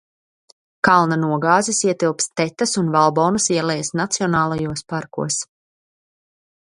Kalna nogāzes ietilpst Tetas un Valbonas ielejas nacionālajos parkos.